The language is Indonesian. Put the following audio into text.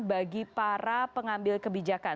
bagi para pengambil kebijakan